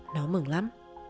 nó mừng lắm